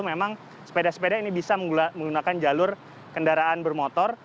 memang sepeda sepeda ini bisa menggunakan jalur kendaraan bermotor